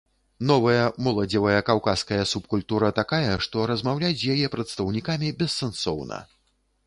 Новая моладзевая каўказская субкультура такая, што размаўляць з яе прадстаўнікамі бессэнсоўна.